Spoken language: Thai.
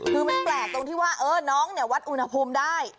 คือมันแปลกตรงที่ว่าน้องเนี่ยวัดอุณหภูมิได้